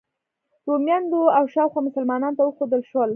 رومیانو او شاوخوا مسلمانانو ته وښودل شول.